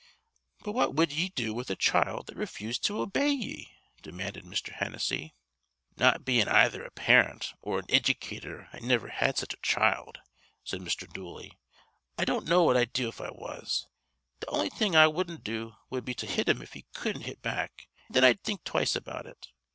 "But what wud ye do with a child that refused to obey ye?" demanded Mr. Hennessy. "Not bein' ayther a parent or an iddycator I nivir had such a child," said Mr. Dooley. "I don't know what I'd do if I was. Th' on'y thing I wudden't do wud be to hit him if he cudden't hit back, an' thin I'd think twice about it.